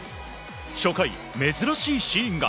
初回、珍しいシーンが。